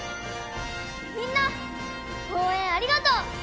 みんな応援ありがとう！